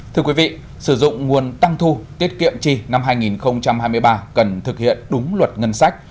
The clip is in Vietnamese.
thưa quý vị sử dụng nguồn tăng thu tiết kiệm chi năm hai nghìn hai mươi ba cần thực hiện đúng luật ngân sách